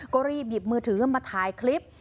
ก็รีบหยิบมือถือขึ้นมาถ่ายคลิป